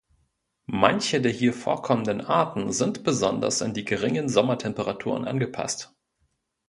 Manche der hier vorkommenden Arten sind besonders an die geringen Sommertemperaturen angepasst.